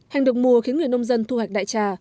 hành được mùa khiến người nông dân thu hoạch đại trà